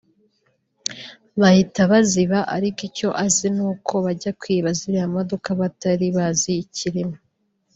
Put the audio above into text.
bahita baziba ariko icyo azi ni uko bajya kwiba ziriya modoka batari bazi ikirimo